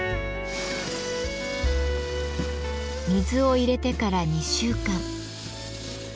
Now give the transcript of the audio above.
水を入れてから２週間。